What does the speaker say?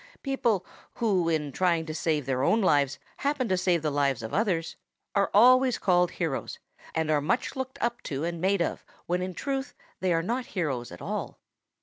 People, who in trying to save their own lives happen to save the lives of others, always are called heroes and are much looked up to and made of when in truth they are not heroes at all.